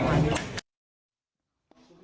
โทรละ๒๐๐ล้านบาท